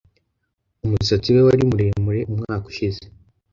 Umusatsi we wari muremure umwaka ushize.